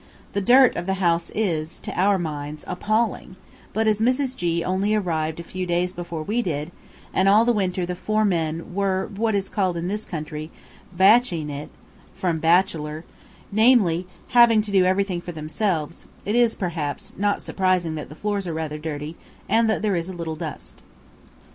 The dirt of the house is, to our minds, appalling; but as Mrs. G only arrived a few days before we did, and all the winter the four men were what is called in this country "baching it" (from bachelor), namely, having to do everything for themselves, it is, perhaps, not surprising that the floors are rather dirty and that there is a little dust.